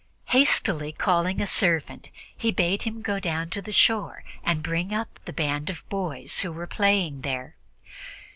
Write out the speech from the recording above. Hastily calling a servant, he bade him go down to the shore and bring up the band of boys who were playing there.